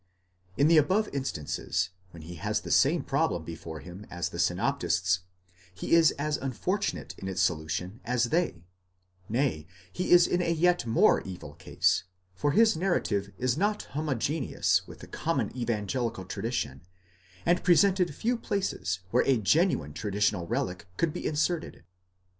385 In the above instances, when he has the same problem before him as the synoptists, he is as unfortunate in its solution as they ; nay, he is in a yet more evil case, for his narrative is not homogeneous with the common evangelical tradition, and presented few places where a genuine traditional relic could be inserted.